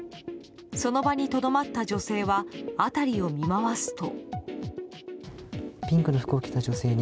その場にとどまった女性は辺りを見回すと。